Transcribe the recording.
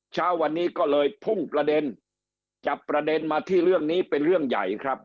เช้าวันนี้ก็เลยพุ่งประเด็นจับประเด็นมาที่เรื่องนี้เป็นเรื่องใหญ่ครับ